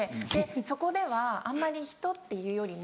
そこではあんまり人っていうよりも。